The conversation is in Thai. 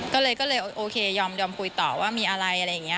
ก็เลยก็เลยโอเคยอมยอมคุยต่อว่ามีอะไรอะไรอย่างเงี้ย